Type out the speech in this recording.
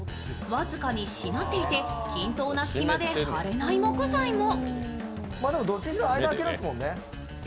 僅かにしなっていて、均等な隙間で張れない木材も。